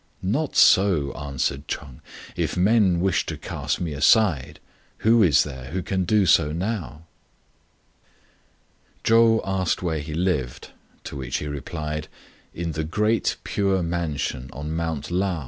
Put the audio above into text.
"Not so," answered Ch'eng; "a man may wish to cast aside his son, but how can he do so?" Chou asked where he lived, to which he replied, "In the Great Pure Mansion on Mount Lao."